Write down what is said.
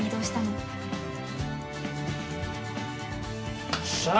よっしゃ！